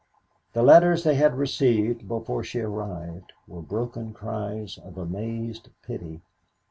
The letters they had received before she arrived were broken cries of amazed pity.